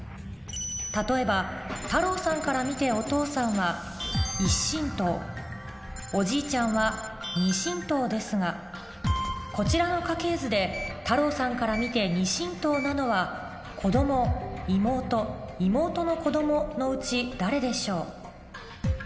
例えば太郎さんから見てお父さんは１親等おじいちゃんは２親等ですがこちらの家系図で太郎さんから見て２親等なのは子供・妹・妹の子供のうち誰でしょう？